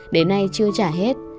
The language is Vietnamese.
đến nay chưa trả hết